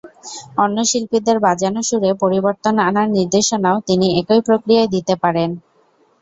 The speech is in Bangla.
অন্য শিল্পীদের বাজানো সুরে পরিবর্তন আনার নির্দেশনাও তিনি একই প্রক্রিয়ায় দিতে পারেন।